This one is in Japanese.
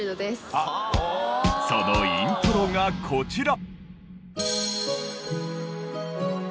そのイントロがこちら。